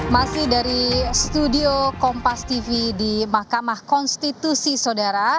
masih dari studio kompas tv di mahkamah konstitusi saudara